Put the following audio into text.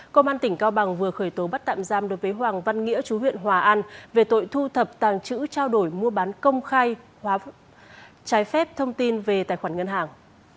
công an tỉnh cao bằng vừa khởi tố bắt tạm giam đối với hoàng văn nghĩa chú huyện hòa an về tội thu thập tàng chữ trao đổi mua bán công khai hóa trái phép thông tin về tài khoản ngân hàng